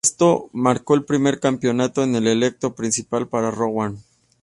Esto marcó el primer campeonato en el elenco principal para Rowan.